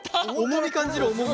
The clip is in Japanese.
重み感じる重み。